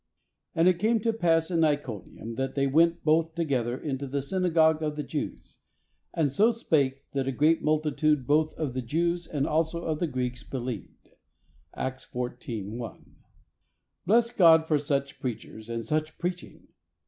And it came to pass in Iconium that they went hotji together into the synagogue of the Jeics, and SO SPAKE that a great multitude "both of the Jews and also of the Greeks 'believed. —Acts 14: 1. Bless God for such preachers and such preaching!